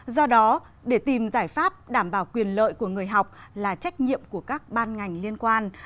do đó để tìm giải pháp đảm bảo quyền lợi của người học là trách nhiệm của các ban ngành liên quan